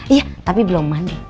iya tapi belum mandi